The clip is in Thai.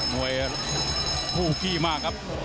มวยคู่ขี้มากครับ